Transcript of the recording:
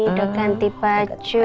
udah ganti pacu